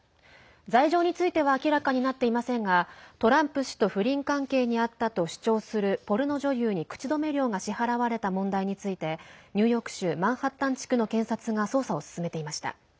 罪状については明らかになっていませんがトランプ氏と不倫関係にあったと主張するポルノ女優に口止め料が支払われた問題についてニューヨーク州マンハッタン地区の検察が捜査を進めていました。